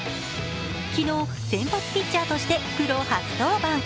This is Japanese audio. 昨日、先発ピッチャーとしてプロ初登板。